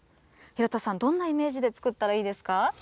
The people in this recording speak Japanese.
廣田さん、どんなイメージで作ったらいいですか。